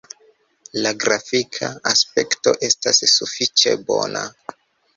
La grafika aspekto estas sufiĉe bona.